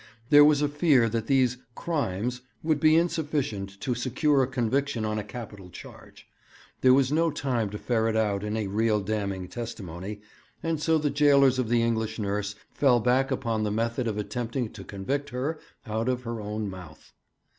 There was a fear that these 'crimes' would be insufficient to secure a conviction on a capital charge. There was no time to ferret out any real damning testimony, and so the jailers of the English nurse fell back upon the method of attempting to convict her out of her own mouth.